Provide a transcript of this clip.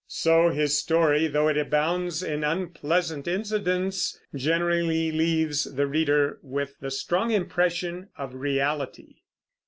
So his story, though it abounds in unpleasant incidents, generally leaves the reader with the strong impression of reality.